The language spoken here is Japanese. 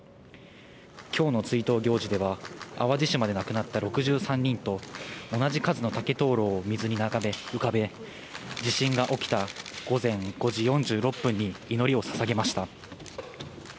きょうの追悼行事では、淡路島で亡くなった６３人と、同じ数の竹灯籠を水に浮かべ、地震が起きた午前５時４６分に祈りをささげました。